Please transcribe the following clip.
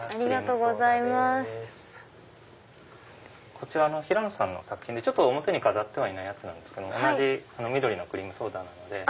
こちらひらのさんの作品で表に飾っていないんですけど同じ緑のクリームソーダなので。